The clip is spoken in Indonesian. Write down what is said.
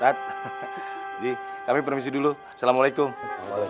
tad ji kami permisi dulu assalamualaikum